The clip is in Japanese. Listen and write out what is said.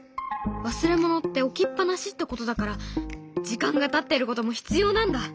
忘れ物って置きっ放しってことだから時間がたってることも必要なんだ。